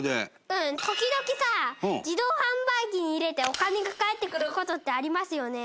時々さ、自動販売機に入れてお金が返ってくる事ってありますよね。